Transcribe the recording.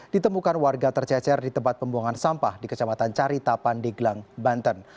ditemukan warga tercecer di tempat pembuangan sampah di kecamatan carita pandeglang banten